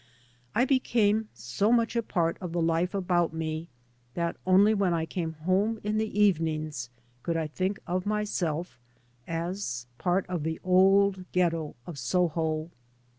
I became so much part of the life about me that only when I came home in the evenings could I think of myself as part of the old ghetto, of Soho.